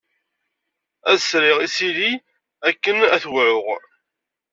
Ad sriɣ isili akken ad t-wɛuɣ.